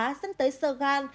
dẫn tới sơ gan